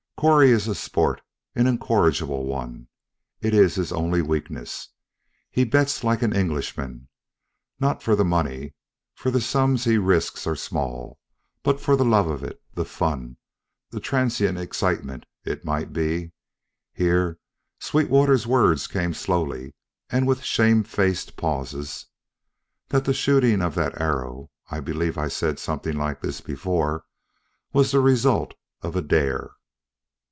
"Correy is a sport, an incorrigible one; it is his only weakness. He bets like an Englishman not for the money, for the sums he risks are small, but for the love of it the fun the transient excitement It might be" here Sweetwater's words came slowly and with shamefaced pauses "that the shooting of that arrow I believe I said something like this before was the result of a dare."